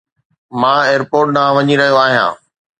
مان ايئرپورٽ ڏانهن وڃي رهيو آهيان